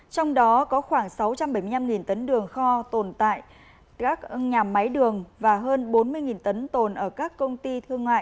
trong đó có khoảng sáu trăm bảy mươi năm tấn đường kho tồn tại các nhà máy đường và hơn bốn mươi tấn tồn ở các công ty thương mại